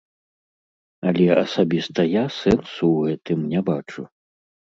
Але асабіста я сэнсу ў гэтым не бачу.